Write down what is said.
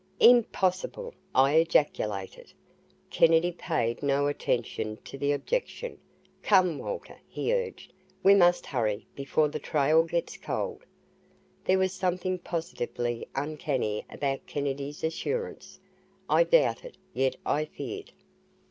"Impossible!" I ejaculated. Kennedy paid no attention to the objection. "Come, Walter," he urged. "We must hurry, before the trail gets cold." There was something positively uncanny about Kennedy's assurance. I doubted yet I feared.